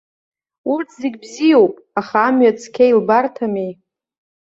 Урҭ зегь бзиоуп, аха амҩа цқьа илбарҭамеи.